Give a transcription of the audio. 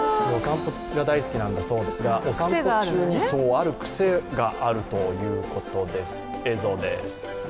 お散歩が大好きなんだそうですが、お散歩中にある癖があるということです。